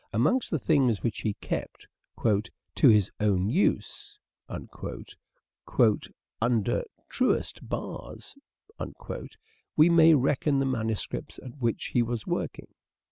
Amongst the things which he kept " to his own use "" under truest bars " we may reckon the manuscripts at which he was working.